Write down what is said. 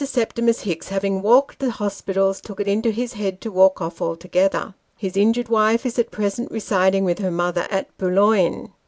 Septimus Hicks having walked the hospitals, took it into his head to walk off altogether. His injured wife is at present residing with her mother at Boulogne.